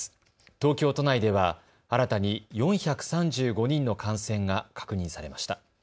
東京都内では新たに４３５人の感染が確認されました。